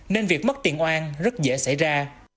nên việc mất tiền oan rất dễ xảy ra